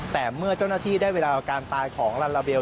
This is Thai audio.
แต่เมื่อเจ้าหน้าที่ได้เวลาการตายของลัลลาเบล